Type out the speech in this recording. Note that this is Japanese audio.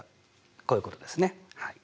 こういうことですね。